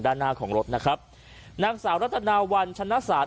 ด้านหน้าของรถนะครับนางสาวรัตนาวันชนะศาสต